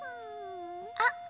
あっ。